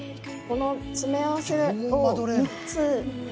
この詰め合わせを３つ。